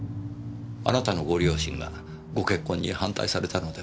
あなたのご両親がご結婚に反対されたのでは？